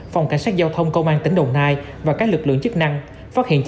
phòng cảnh sát giao thông công an tỉnh đồng nai và các lực lượng chức năng phát hiện